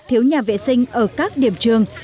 thiếu nhà vệ sinh ở các điểm trường